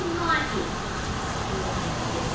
Naughty!" and we had to give her up.